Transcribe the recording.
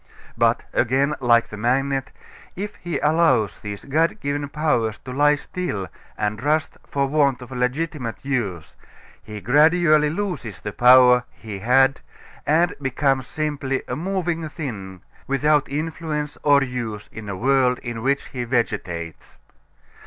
But, again, like the magnet, if he allows these God given powers to lie still and rust for want of legitimate use he gradually loses the power he had and becomes simply a moving thing without influence or use in a world in which he vegetates.